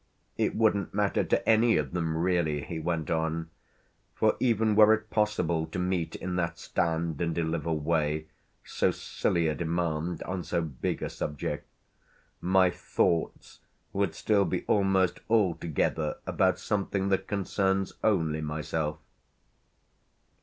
It wouldn't matter to any of them really," he went on, "for, even were it possible to meet in that stand and deliver way so silly a demand on so big a subject, my 'thoughts' would still be almost altogether about something that concerns only myself."